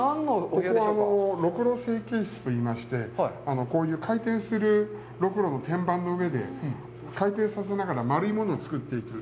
ここは、ろくろ成形室といいまして、こういう回転するろくろの天板の上で、回転させながら丸いものを作っていく。